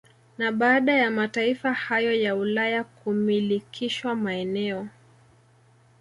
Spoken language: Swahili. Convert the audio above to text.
Na baada ya mataifa hayo ya Ulaya kumilikishwa maeneo